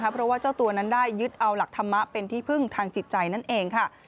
เพราะว่าเจ้าตัวนั้นได้ยึดเอาหลักธรรมะเป็นที่พึ่งทางจิตใจนั่นเองค่ะ